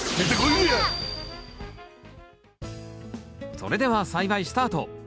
それでは栽培スタート。